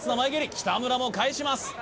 北村も返します